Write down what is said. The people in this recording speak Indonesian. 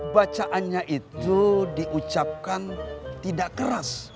bacaannya itu diucapkan tidak keras